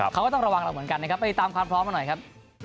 เขาก็ต้องระวังเราเหมือนกันนะครับไปตามความพร้อมกันหน่อยครับ